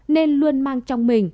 nên luôn mang trong mình